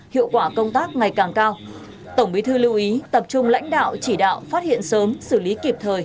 hiệu quả công tác ngày càng cao tổng bí thư lưu ý tập trung lãnh đạo chỉ đạo phát hiện sớm xử lý kịp thời